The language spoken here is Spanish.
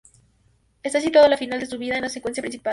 Está cerca del final de su vida en la secuencia principal.